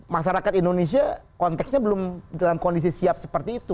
masyarakat indonesia konteksnya belum dalam kondisi siap seperti itu